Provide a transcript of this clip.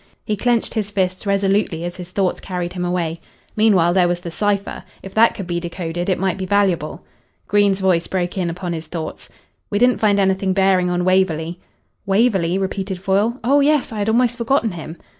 He clenched his fists resolutely as his thoughts carried him away. Meanwhile there was the cipher. If that could be de coded it might be valuable. Green's voice broke in upon his thoughts. "We didn't find anything bearing on Waverley." "Waverley?" repeated Foyle. "Oh yes, I had almost forgotten him."